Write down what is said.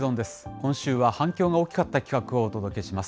今週は反響が大きかった企画をお届けします。